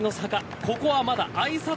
ここはまだあいさつ